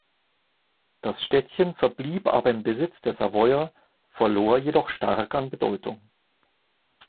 Das Städtchen verblieb aber im Besitz der Savoyer, verlor jedoch stark an Bedeutung.